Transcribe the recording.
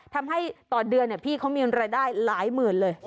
ทำให้ต่อเดือนพี่เขามีรายได้หลายหมื่นเลย